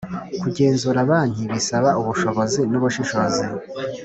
kugenzura banki bisaba ubushobozi nubushishozi